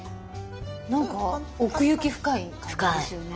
何か奥行き深い感じですよね。